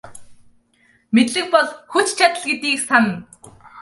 Мэдлэг бол хүч чадал гэдгийг сана.